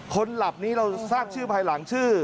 คนหลับนี้เราทราบชื่อภายหลังชื่อ